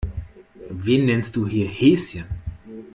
Wen nennst du hier Häschen?